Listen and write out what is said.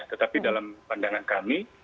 tetapi dalam pandangan kami